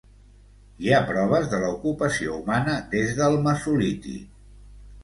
Hi ha proves de la ocupació humana des del mesolític.